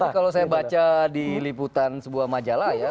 tapi kalau saya baca di liputan sebuah majalah ya